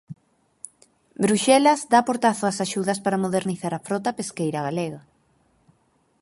Bruxelas dá portazo as axudas para modernizar a frota pesqueira galega.